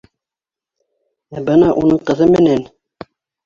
Ә бына уның ҡыҙы менән...